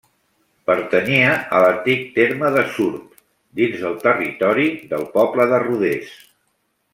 Pertanyia a l'antic terme de Surp, dins del territori del poble de Rodés.